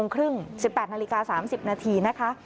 ๑๘นโคม๓๐นาทีนะคะ